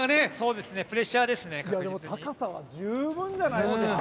プレッシャーで高さは十分じゃないですか？